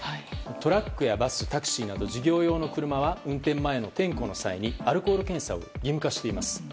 トラックやバス、タクシーなど事業用の車は運転前の点呼の際にアルコール検査を義務化しています。